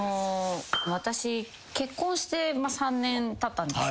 私結婚して３年たったんですけど。